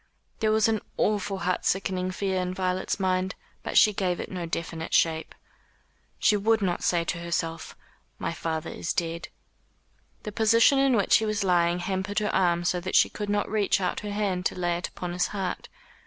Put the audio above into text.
There was an awful heart sickening fear in Violet's mind, but she gave it no definite shape. She would not say to herself, "My father is dead." The position in which he was lying hampered her arms so that she could not reach out her hand to lay it upon his heart.